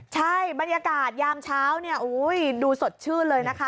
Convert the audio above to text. ใช่บรรยากาศยามเช้าเนี่ยดูสดชื่นเลยนะคะ